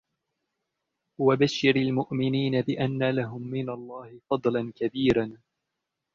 وَبَشِّرِ الْمُؤْمِنِينَ بِأَنَّ لَهُمْ مِنَ اللَّهِ فَضْلًا كَبِيرًا